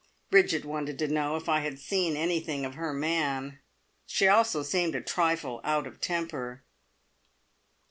Bridget wanted to know if I had seen anything of her man. She also seemed a trifle out of temper.